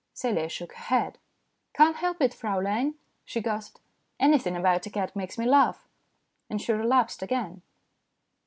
Celia shook her head. " Can't help it, Fraulein," she gasped. " Anything about a cat makes me laugh." And she relapsed again.